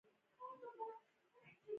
کله چې افغانستان کې ولسواکي وي ښځې خوندي وي.